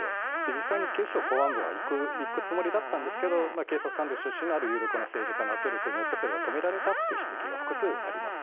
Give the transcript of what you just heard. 実際に警視庁公安部は行くつもりだったんですが警察官僚出身のある有力な政治家の圧力によって止められたという指摘が複数あります。